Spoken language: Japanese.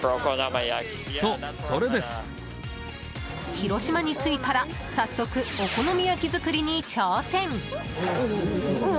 広島に着いたら早速、お好み焼き作りに挑戦！